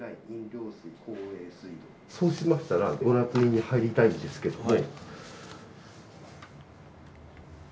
そうしましたらご捺印に入りたいんですけども。